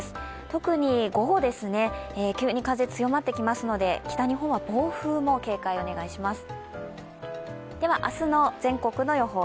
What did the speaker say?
特に午後、急に風が強まってきますので北日本は暴風も警戒をお願いします。